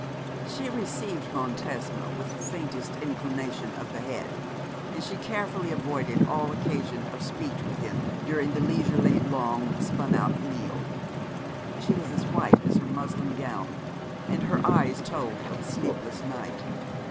She received Montesma with the faintest inclination of the head, and she carefully avoided all occasion of speech with him during the leisurely, long spun out meal. She was as white as her muslin gown, and her eyes told of a sleepless night.